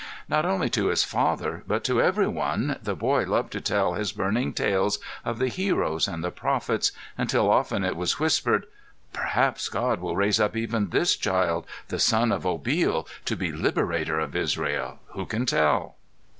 Not only to his father but to every one the boy loved to tell his burning tales of the heroes and the prophets, until often it was whispered, "Perhaps God will raise up even this child, the son of Obil, to be liberator of Israel, who can tell?"